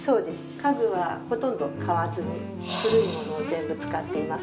家具はほとんど買わずに古いものを全部使っています。